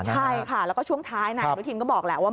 ใช่ค่ะแล้วก็ช่วงท้ายนายอนุทินก็บอกแหละว่า